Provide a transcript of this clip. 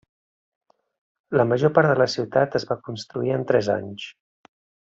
La major part de la ciutat es va construir en tres anys.